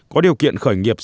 có điều kiện khởi nghiệp